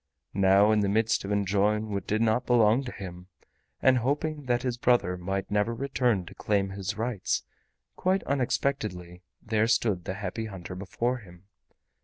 Now in the midst of enjoying what did not belong to him, and hoping that his brother might never return to claim his rights, quite unexpectedly there stood the Happy Hunter before him.